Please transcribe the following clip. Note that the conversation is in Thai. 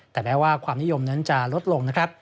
แต่แม้ว่าความนิยมนั้นจะลดลงนะครับ